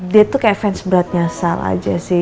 dia tuh kayak fans beratnya sal aja sih